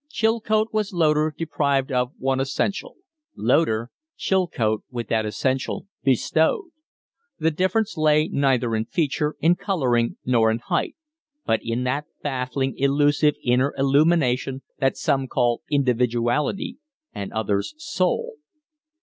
Chilcote was Loder deprived of one essential: Loder, Chilcote with that essential bestowed. The difference lay neither in feature, in coloring, nor in height, but in that baffling, illusive inner illumination that some call individuality, and others soul.